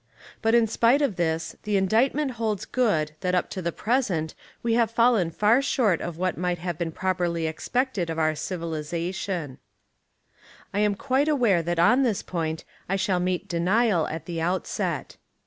But in spite of this, the indictment holds good that up to the present we have fallen far short of what might have been properly expected of our civilisation. 66 Literature and Education in America I am quite aware that on this point I shall meet denial at the outset.